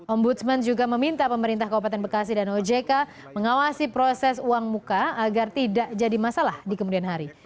ombudsman juga meminta pemerintah kabupaten bekasi dan ojk mengawasi proses uang muka agar tidak jadi masalah di kemudian hari